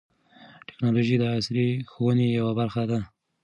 ټیکنالوژي د عصري ښوونې یوه برخه ده.